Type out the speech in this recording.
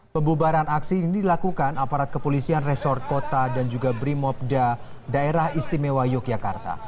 pembubaran aksi ini dilakukan aparat kepolisian resor kota dan juga brimobda daerah istimewa yogyakarta